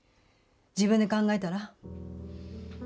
自分で考えたら？